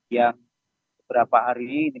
yang beberapa hari ini